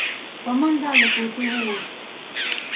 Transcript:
په منډه له کوټې ووت.